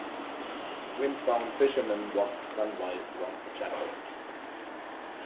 Windbound fishermen walked sunwise round the chapel.